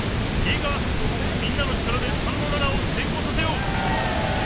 いいかみんなの力で３の７をせいこうさせよう！